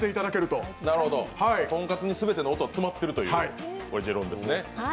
とんかつに全ての音が詰まっているという持論ですね。